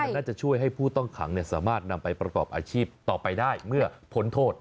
น่าจะช่วยให้ผู้ต้องขังสามารถนำไปประกอบอาชีพต่อไปได้เมื่อพ้นโทษ